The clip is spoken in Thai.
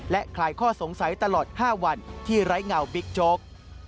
และคลายข้อสงสัยตลอด๕วันที่ไร้เงาบิ๊กโจ๊ก